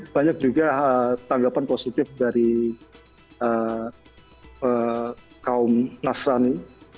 banyak juga tanggapan positif dari kaum nasrani